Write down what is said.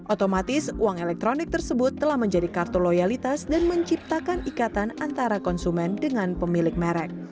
otomatis uang elektronik tersebut telah menjadi kartu loyalitas dan menciptakan ikatan antara konsumen dengan pemilik merek